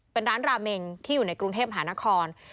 เป็นร้านราเมงที่อยู่ในกรุงเทพหานคร